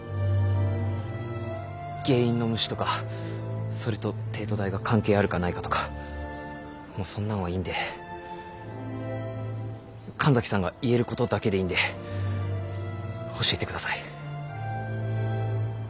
原因の虫とかそれと帝都大が関係あるかないかとかもうそんなんはいいんで神崎さんが言えることだけでいいんで教えてください。